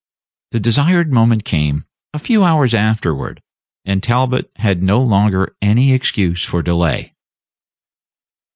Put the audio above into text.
The desired moment came a few hours afterward, and Talbot had no longer any excuse for delay.